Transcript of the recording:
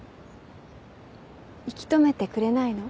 引き止めてくれないの？